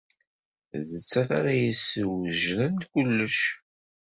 D nettat ara d-yeswejden kullec.